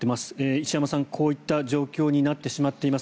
石山さん、こういう状況になってしまっています。